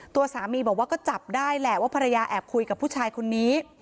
ตัวสามีบอกว่าก็จับได้แหละว่าภรรยาแอบคุยกับผู้ชายคนนี้